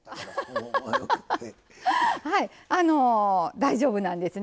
大丈夫なんですね。